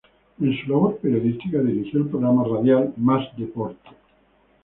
En su labor periodística dirigió el programa radial Más Deporte.